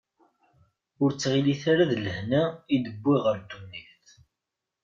Ur ttɣilit ara d lehna i d-wwiɣ ɣer ddunit.